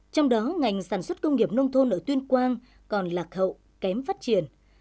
trong đó ngành sản xuất công nghiệp nông thôn ở tuyên quang còn lạc hậu kém phát triển